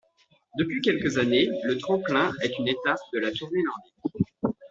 Depuis quelques années, le tremplin est une étape de la tournée nordique.